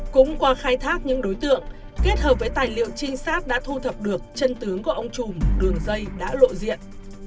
cũng qua khai thác những đối tượng kết hợp với tài liệu trinh sát đã thu thập được chân tướng của ông trùm đường dây đã lộ diện